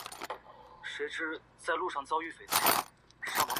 狭叶短毛独活是伞形科独活属短毛牛防风的变种。